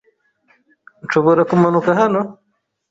Nshobora kumanuka hano?